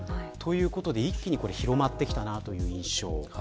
一気に広まってきたという印象です。